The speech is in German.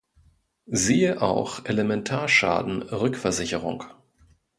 Siehe auch Elementarschaden-Rückversicherung.